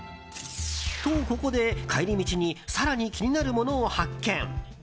と、ここで帰り道に更に気になるものを発見。